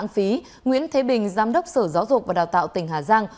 phí nguyễn thế bình giám đốc sở giáo dục và đào tạo tỉnh hà giang